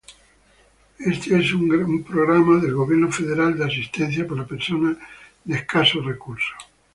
Este es un programa del Gobierno federal de asistencia para personas de escasos recursos.